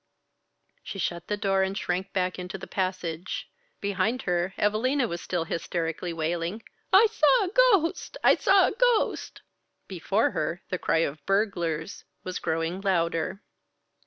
She shut the door and shrank back into the passage. Behind her Evalina was still hysterically wailing: "I saw a ghost! I saw a ghost!" Before her the cry of "Burglars!" was growing louder.